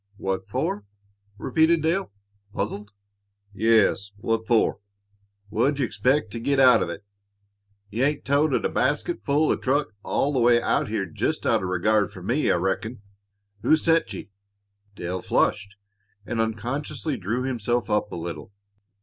"What for?" repeated Dale, puzzled. "Yes; what for? What d' you expect to git out of it? You ain't toted a basketful o' truck all the way out here jest out of regard for me, I reckon. Who sent ye?" Dale flushed, and unconsciously drew himself up a little.